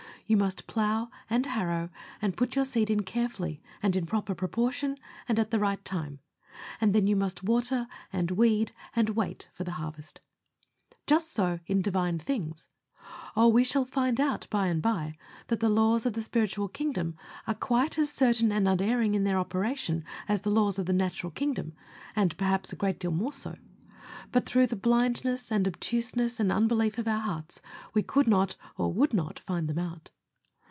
You must plough and harrow and put your seed in carefully, and in proper proportion, and at the right time, and then you must water and weed and wait for the harvest. And just so in Divine things. Oh! we shall find out, by and by, that the laws of the spiritual kingdom are quite as certain and unerring in their operation as the laws of the natural kingdom, and, perhaps, a great deal more so; but, through the blindness and obtuseness and unbelief of our hearts, we could not, or would not find them out.